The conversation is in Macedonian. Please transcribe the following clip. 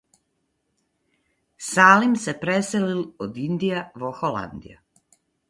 Салим се преселил од Индија во Холандија.